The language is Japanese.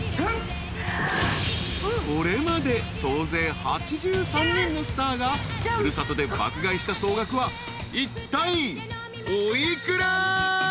［これまで総勢８３人のスターが古里で爆買いした総額はいったいお幾ら？］